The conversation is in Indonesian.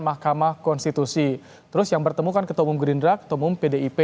mahkamah konstitusi terus yang bertemu kan ketumum gerindra ketumum pdip